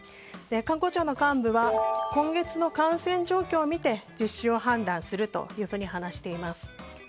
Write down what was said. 観光庁の幹部は今月の感染状況を見て実施を判断すると話しています。